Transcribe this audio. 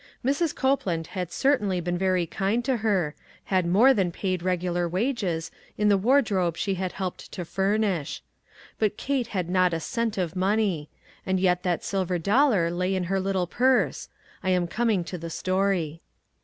Mrs. Copeland had certainly been very kind to her ; had more than paid regular wages, in the wardrobe she had helped to furnish. But Kate had not a cent of money. And yet that silver dollar lay in her little purse. I am coming to its story.